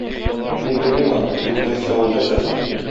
Мин белмим аны, юк нәрсә - ул нәрсә соң?